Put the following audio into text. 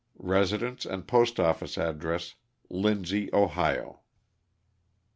Residence and postoffice address, Lindsey, Ohio.